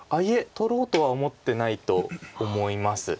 取ろうとは思ってないと思います。